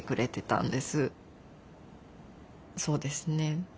そうですね